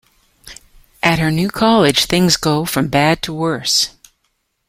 At her new college, things go from bad to worse.